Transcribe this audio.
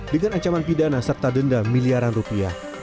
dengan ancaman pidana serta denda miliaran rupiah